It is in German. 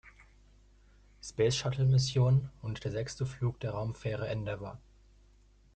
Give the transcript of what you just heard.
Space-Shuttle-Mission und der sechste Flug der Raumfähre Endeavour.